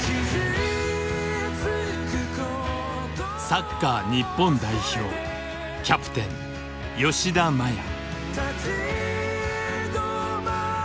サッカー日本代表キャプテン吉田麻也。